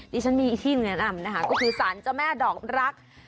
ดิฉันมีที่แนะนำนะคะก็คือสารเจ้าแม่ดอกรัก